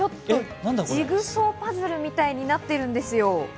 ジグソーパズルみたいになっています。